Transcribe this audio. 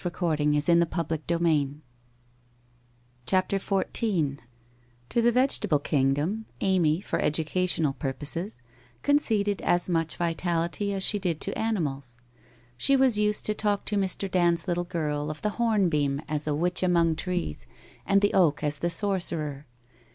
Go upstairs and congratulate Dulce/ CHAPTER XIV To the vegetable kingdom Amy, for educational purposes, conceded as much vitality as she did to animals. She was used to talk to Mr. Dand's little girl of the hornbeam as a witch among trees, and the oak as the sorcerer.